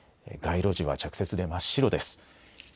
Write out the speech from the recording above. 街路樹は着雪で真っ白です。